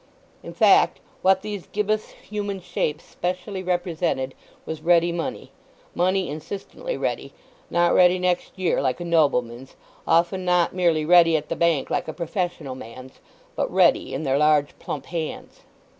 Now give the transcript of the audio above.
In fact, what these gibbous human shapes specially represented was ready money—money insistently ready—not ready next year like a nobleman's—often not merely ready at the bank like a professional man's, but ready in their large plump hands.